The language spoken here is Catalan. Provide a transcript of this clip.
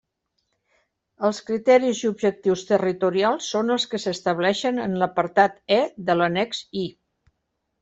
Els criteris i objectius territorials són els que s'estableixen en l'apartat E de l'annex I.